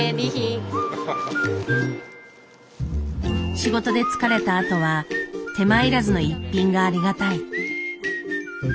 仕事で疲れたあとは手間いらずの一品がありがたい。